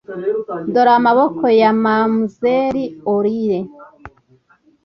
dore amaboko ya mamzelle aurlie;